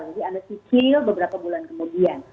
jadi anda cicil beberapa bulan kemudian